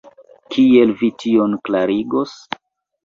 Kiel vi tion klarigos?